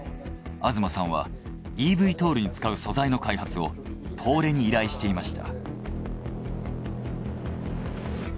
東さんはｅＶＴＯＬに使う素材の開発を東レに依頼していました。